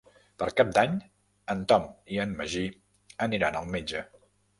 Per Cap d'Any en Tom i en Magí aniran al metge.